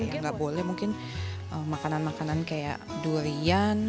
kayak gak boleh mungkin makanan makanan kayak durian